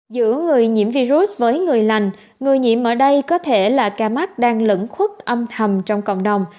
giữa người nhiễm virus với người lành người nhiễm ở đây có thể là ca mắc đang lẫn khuất âm thầm trong cộng đồng